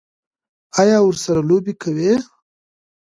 ایا ورسره لوبې کوئ؟